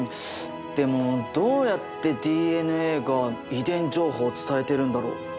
でもどうやってＤＮＡが遺伝情報を伝えてるんだろう？